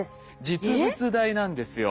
実物大なんですよ。